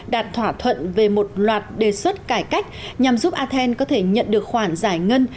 đạt thỏa thuận về một loạt đề xuất cải cách nhằm giúp athens có thể nhận được khoản giải ngân